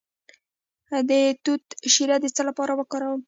د توت شیره د څه لپاره وکاروم؟